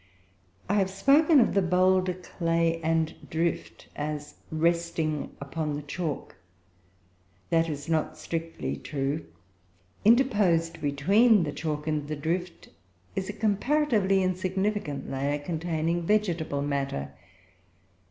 I have spoken of the boulder clay and drift as resting upon the chalk. That is not strictly true. Interposed between the chalk and the drift is a comparatively insignificant layer, containing vegetable matter.